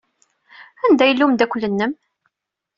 Anda yella umeddakel-nnem?